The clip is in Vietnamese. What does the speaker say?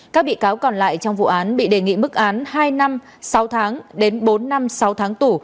các bị cáo còn lại trong vụ án bị đề nghị mức án hai năm sáu tháng đến bốn năm sáu tháng tù